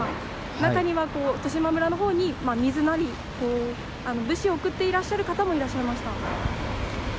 中には十島村のほうに、水や物資を送っていらっしゃる方もいました。